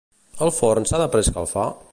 El forn s'ha de preescalfar?